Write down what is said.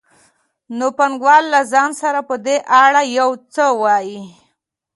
نو پانګوال له ځان سره په دې اړه یو څه وايي